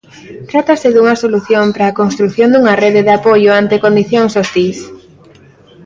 Trátase dunha solución para a construción dunha rede de apoio ante condicións hostís.